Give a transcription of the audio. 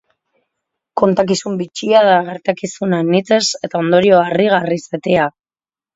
Kontakizun bitxia da, gertakizun anitzez eta ondorio harrigarriz betea.